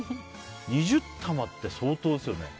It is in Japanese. ２０玉って相当ですよね。